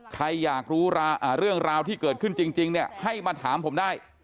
ใครอยากรู้เรื่องราวที่เกิดขึ้นจริงเนี่ยให้มาถามผมได้